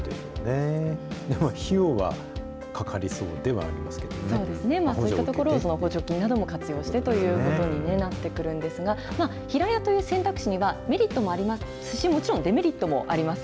でも費用はかかりそうではありまそうですね、そういったところは補助金なども活用してということになってくるんですが、平屋という選択肢には、メリットもありますし、もちろんデメリットもあります。